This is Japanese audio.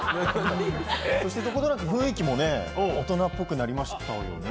そしてどことなく雰囲気も大人っぽくなりましたよね。